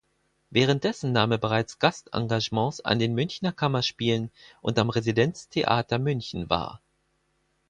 Währenddessen nahm er bereits Gastengagements an den Münchner Kammerspielen und am Residenztheater München wahr.